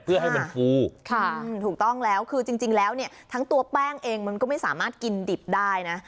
เพื่อให้มันฟูถูกต้องแล้วคือจริงแล้วเนี่ยทั้งตัวแป้งเองมันก็ไม่สามารถกินดิบได้นะ